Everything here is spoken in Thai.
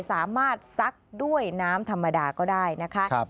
ซักด้วยน้ำธรรมดาก็ได้นะคะ